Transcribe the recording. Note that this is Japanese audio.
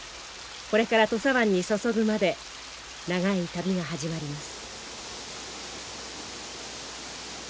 これから土佐湾に注ぐまで長い旅が始まります。